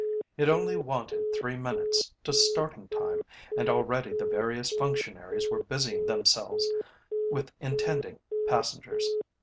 It only wanted three minutes to starting time, and already the various functionaries were busying themselves with intending passengers.